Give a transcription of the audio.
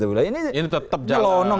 ini tetap jalan